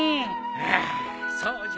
ああそうじゃ。